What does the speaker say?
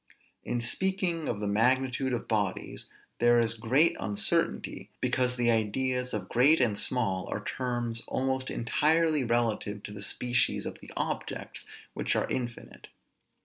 In speaking of the magnitude of bodies there is great uncertainty, because the ideas of great and small are terms almost entirely relative to the species of the objects, which are infinite.